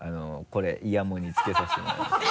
これイヤモニつけさせてもらいます。